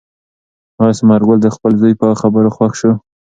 آیا ثمر ګل د خپل زوی په خبرو خوښ شو؟